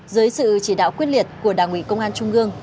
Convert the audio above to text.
dưới sự chỉ đạo quyết liệt của đảng ủy công an trung ương